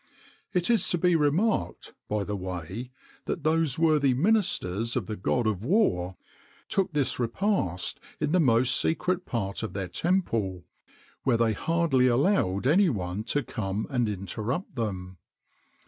[XXIX 48] It is to be remarked, by the way, that those worthy ministers of the god of war took this repast in the most secret part of their temple, where they hardly allowed any one to come and interrupt them.